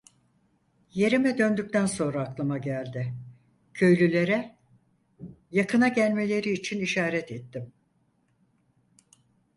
Yerime döndükten sonra aklıma geldi, köylülere, yakına gelmeleri için işaret ettim.